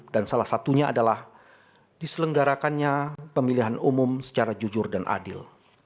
salah satunya adalah diselenggarakannya pemilihan umum secara jujur dan adil